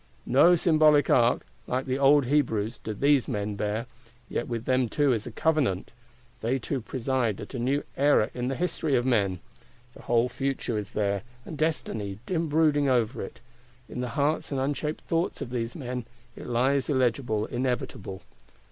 No symbolic Ark, like the old Hebrews, do these men bear: yet with them too is a Covenant; they too preside at a new Era in the History of Men. The whole Future is there, and Destiny dim brooding over it; in the hearts and unshaped thoughts of these men, it lies illegible, inevitable.